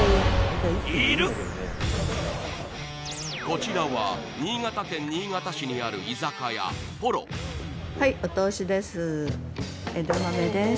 いるこちらは新潟県新潟市にある居酒屋歩呂枝豆です